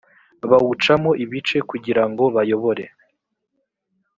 bawucamo ibice kugira ngo bayobore